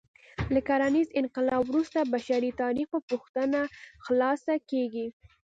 له کرنیز انقلاب وروسته بشري تاریخ په پوښتنه خلاصه کېږي.